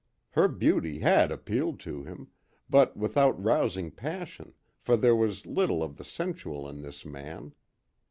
Her beauty had appealed to him, but without rousing passion, for there was little of the sensual in this man.